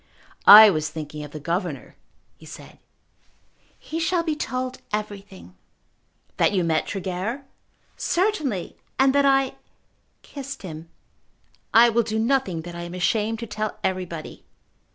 "I was thinking of the governor," he said. "He shall be told everything." "That you met Tregear?" "Certainly; and that I kissed him. I will do nothing that I am ashamed to tell everybody."